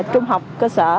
trung học cơ sở